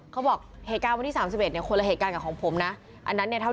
ก็น่าจะมีฝากเฉียงกับพวกที่พักอยู่ด้วยกันกับผมนี่แหละครับ